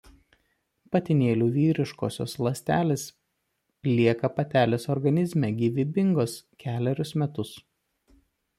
Patinėlių vyriškosios ląstelės lieka patelės organizme gyvybingos kelerius metus.